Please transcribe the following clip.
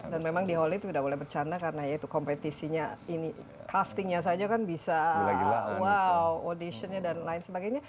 dan memang di hollywood tidak boleh bercanda karena ya itu kompetisinya ini castingnya saja kan bisa wow auditionnya dan lain sebagainya